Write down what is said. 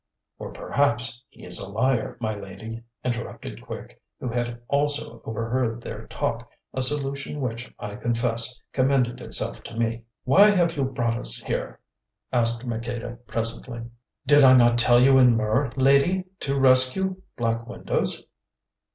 "Or perhaps he is a liar, my Lady," interrupted Quick, who had also overheard their talk, a solution which, I confess, commended itself to me. "Why have you brought us here?" asked Maqueda presently. "Did I not tell you in Mur, Lady—to rescue Black Windows?